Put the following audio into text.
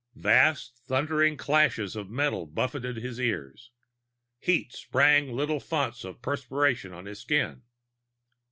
Vast thundering crashes of metal buffeted his ears. Heat sprang little founts of perspiration on his skin.